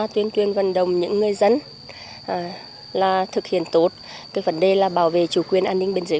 tuyên truyền vận động những người dân là thực hiện tốt cái vấn đề là bảo vệ chủ quyền an ninh biên giới